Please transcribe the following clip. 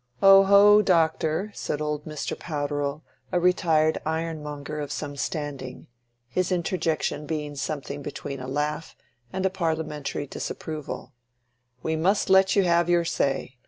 "Ho, ho! Doctor," said old Mr. Powderell, a retired iron monger of some standing—his interjection being something between a laugh and a Parliamentary disapproval; "we must let you have your say.